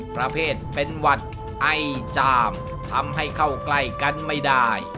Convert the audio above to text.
ประเภทเป็นหวัดไอจามทำให้เข้าใกล้กันไม่ได้